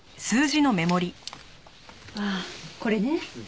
ああこれね。